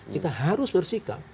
kita harus bersikap